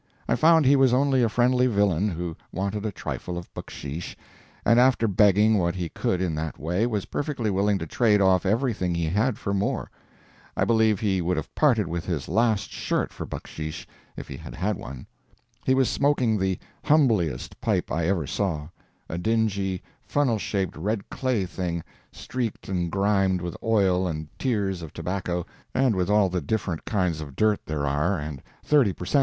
I found he was only a friendly villain who wanted a trifle of bucksheesh, and after begging what he could get in that way, was perfectly willing to trade off everything he had for more. I believe he would have parted with his last shirt for bucksheesh if he had had one. He was smoking the "humbliest" pipe I ever saw a dingy, funnel shaped, red clay thing, streaked and grimed with oil and tears of tobacco, and with all the different kinds of dirt there are, and thirty per cent.